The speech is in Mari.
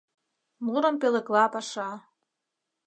Мурым пӧлекла паша